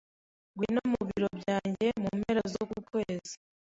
Ngwino mu biro byanjye mu mpera zuku kwezi.